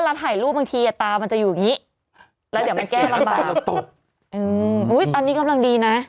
หน้าขึ้นข้างเหยียวข้างบน